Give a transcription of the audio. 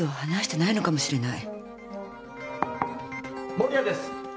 守屋です。